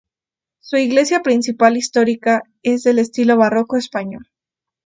Su iglesia principal histórica es del estilo barroco español.